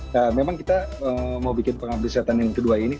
nah memang kita mau bikin pengambil setan yang kedua ini